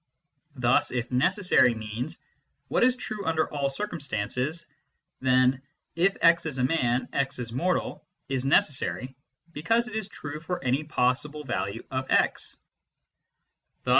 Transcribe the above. Thus if " necessary " means " what is true under all circum stances," then " if % is a man, x is mortal " is necessary, because it is true for any possible value of x.